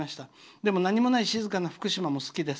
でも何もない静かな福島も好きです。